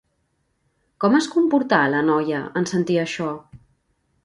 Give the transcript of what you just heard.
Com es comportà, la noia, en sentir això?